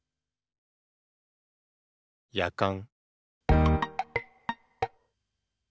「やかん」